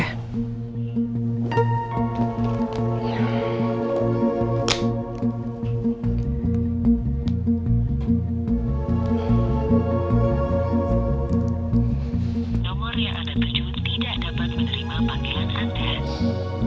nomor yang ada berjuang tidak dapat menerima panggilan anda